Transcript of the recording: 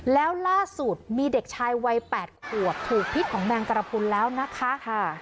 แล้วล่าสุดมีเด็กชายวัย๘ขวบถูกพิษของแมงกระพุนแล้วนะคะ